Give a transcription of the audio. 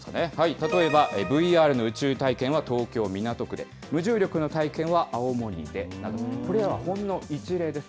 例えば、ＶＲの宇宙体験は東京・港区で、無重力の体験は青森でなど、これらはほんの一例です。